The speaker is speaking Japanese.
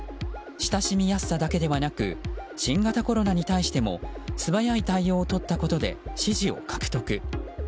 親しみやすさだけではなく新型コロナに対しても素早い対応をとったことで支持を獲得。